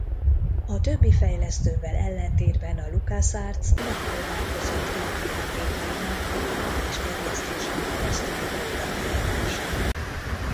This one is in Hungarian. A többi fejlesztővel ellentétben a LucasArts nem próbálkozott régi játékainak digitális terjesztésen keresztüli újrakiadásán.